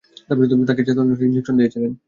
তাকে চেতনানাশক ইনজেকশন দিয়েছিলেন।